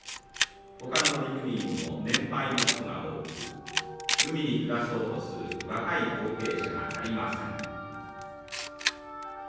ほかの乗組員も年配の人が多く海に暮らそうとする若い後継者が足りません。